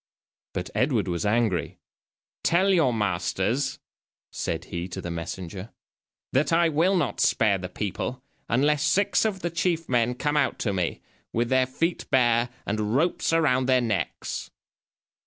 But Edward was angry. "Tell your masters," said he to the messenger, "that I will not spare the people unless six of the chief men come out to me, with their feet bare, and ropes around their necks."